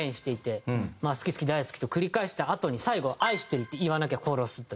「好き好き大好き」と繰り返したあとに最後は「愛してるって言わなきゃ殺す」という。